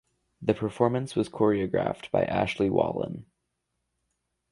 The performance was choreographed by Ashley Wallen.